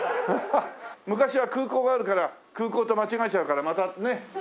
昔は空港があるから空港と間違えちゃうからまたねっ瞬かないけれど。